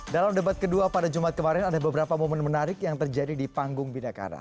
dalam debat kedua pada jumat kemarin ada beberapa momen menarik yang terjadi di panggung binakara